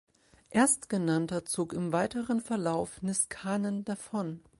Erstgenannter zog im weiteren Verlauf Niskanen davon.